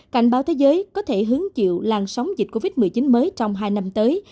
cảnh báo thế giới có thể hứng chịu làn sóng dịch covid một mươi chín mới trong hai năm tới